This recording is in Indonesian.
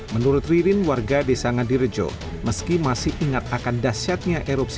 menurut ririn warga desa ngadirejo meski masih ingat akan dasyatnya erupsi